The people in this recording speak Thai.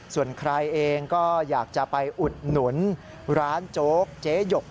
ส่วนใครเองก็อยากจะไปอุดหนุนร้านโจ๊กเจ๊หยก